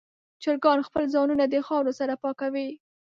چرګان خپل ځانونه د خاورو سره پاکوي.